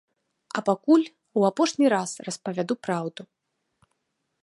А пакуль у апошні раз распавяду праўду.